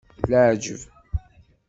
D leɛjeb!